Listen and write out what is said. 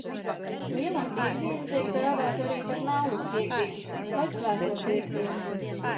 Lielā piektdiena tiek dēvēta arī par Melno piektdienu vai Svēto piektdienu.